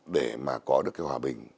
để mà có được cái hòa bình